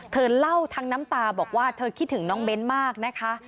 เธอเล่าทั้งน้ำตาบอกว่าเธอคิดถึงน้องเบ้นมากนะคะ